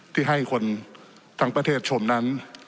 ที่ให้คนทั้งประเทศชมนั้น